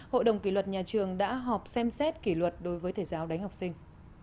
hội đồng kỷ luật nhà trường đã họp xem xét kỷ luật đối với thầy giáo đánh học sinh